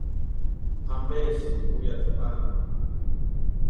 ¿Ampesïni jurhiata pani?